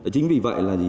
chính vì vậy là gì